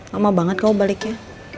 gak mau banget kamu baliknya